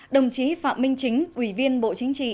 đồng chí phạm minh chính ủy viên bộ chính trị